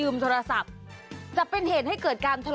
ในโอมเนี่ยค่ะ